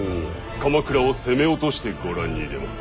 鎌倉を攻め落としてご覧に入れます。